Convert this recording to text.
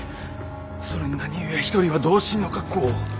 それに何故一人は同心の格好を？